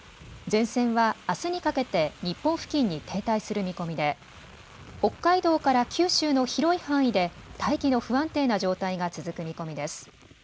前線はあすにかけて日本付近に停滞する見込みで北海道から九州の広い範囲で大気の不安定な状態が続く見込みです。